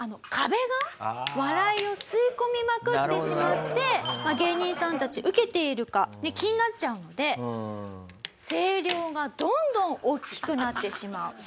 壁が笑いを吸い込みまくってしまって芸人さんたちウケているか気になっちゃうので声量がどんどん大きくなってしまう。